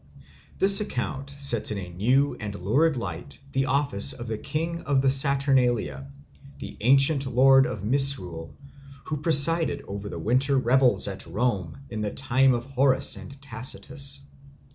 This account sets in a new and lurid light the office of the King of the Saturnalia, the ancient Lord of Misrule, who presided over the winter revels at Rome in the time of Horace and Tacitus.